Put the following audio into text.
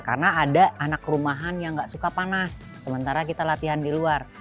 karena ada anak rumahan yang gak suka panas sementara kita latihan di luar